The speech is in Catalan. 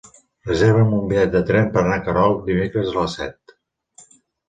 Reserva'm un bitllet de tren per anar a Querol dimecres a les set.